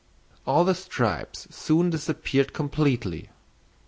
All the stripes soon disappeared completely.